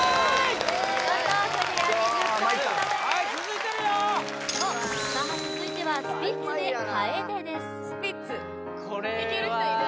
見事クリア２０ポイントです続いてるよさあ続いてはスピッツで「楓」ですスピッツいける人いる？